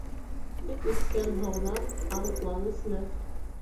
Эт эскән һыуҙан арыҫлан эсмәҫ.